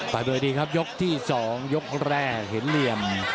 ไปโดยดีครับยกที่๒ยกแรกเห็นเหลี่ยม